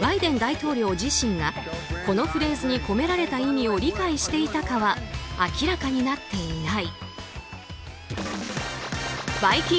バイデン大統領自身がこのフレーズに込められた意味を理解していたかは明らかになっていない。